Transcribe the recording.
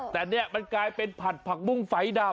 แต่นี่มันกลายเป็นผัดผักบุ้งไฟดำ